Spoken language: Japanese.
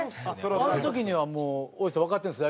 あの時にはもう多井さんわかってるんですか？